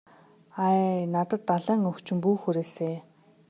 Ай надад далайн өвчин бүү хүрээсэй.